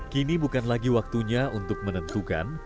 kini bukan lagi waktunya untuk menentukan